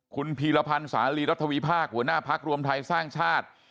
คุณพีรพันธ์สาลีรัฐวิพากษ์หัวหน้าพักรวมไทยสร้างชาติ